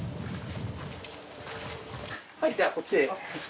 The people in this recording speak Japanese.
じゃあこっちへ。